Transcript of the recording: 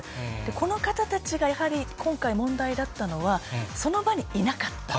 この方たちがやはり、今回、問題だったのは、その場にいなかった。